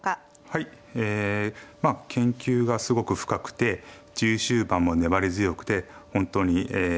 え研究がすごく深くて中終盤も粘り強くて本当にえ